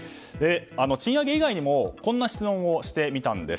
賃上げ以外にもこんな質問をしてみたんです。